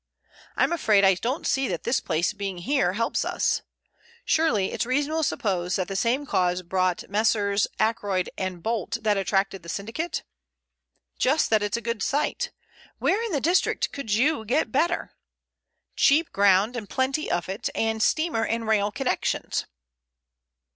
I'm afraid I don't see that this place being here helps us. Surely it's reasonable to suppose that the same cause brought Messrs. Ackroyd & Bolt that attracted the syndicate? Just that it's a good site. Where in the district could you get a better? Cheap ground and plenty of it, and steamer and rail connections."